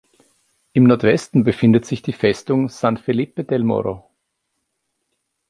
Im Nordwesten befindet sich die Festung San Felipe del Morro.